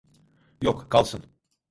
Yok, kalsın.